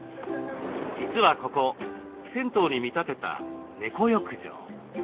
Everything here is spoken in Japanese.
実はここ銭湯に見立てた猫浴場。